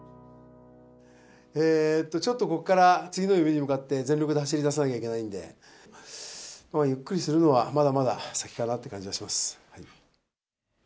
ちょっとここから次の夢に向かって全力で走りださなきゃいけないんで、ゆっくりするのはまだまだ先かなっていう感じはします。